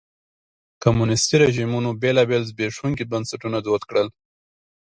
کمونیستي رژیمونو بېلابېل زبېښونکي بنسټونه دود کړل.